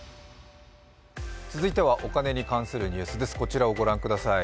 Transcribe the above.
続いてはお金に関するニュースです、ご覧ください。